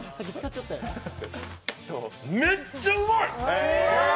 めっちゃうまい。